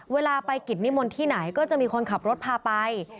เวลาไปกิจนิมนต์ที่ไหนก็จะมีคนขับรถพาไป